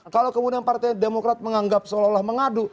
kalau kemudian partai demokrat menganggap seolah olah mengadu